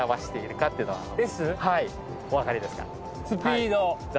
お分かりですか？